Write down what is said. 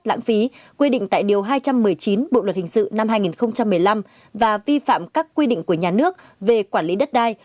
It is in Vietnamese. lãng phí quy định tại điều hai trăm một mươi chín bộ luật hình sự năm hai nghìn một mươi năm và vi phạm các quy định của nhà nước về quản lý đất đai